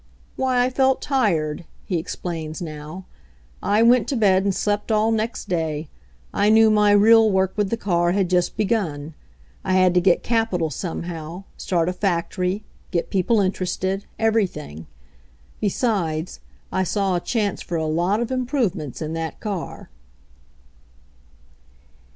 Why, I felt tired," he ex plains now. "I went to bed and slept all next day. I knew my real work with the car had just \ begun. I had to get capital somehow, start a fac tory, get people interested — everything. Besides, I saw a chance for a lot of improvements in that car."